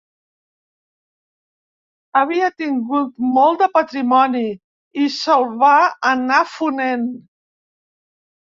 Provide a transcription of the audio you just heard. , havia tingut molt de patrimoni i se'l va anar fonent.